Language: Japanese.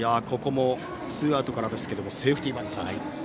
ここもツーアウトからですがセーフティーバントと。